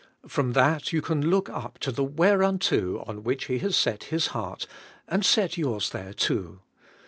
From that you can look up to the whereunto on which He has set His heart, and set yours there too.